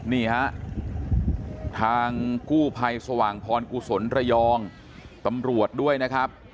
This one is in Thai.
นี่ฮะทางกู้ภัยสว่างพรกุศลระยองตำรวจด้วยนะครับ